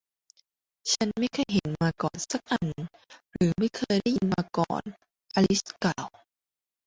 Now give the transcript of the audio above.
ฉันไม่เคยเห็นมาก่อนสักอันหรือเคยได้ยินมาก่อน อลิซกล่าว